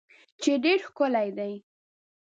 چې ډیر ښکلی دی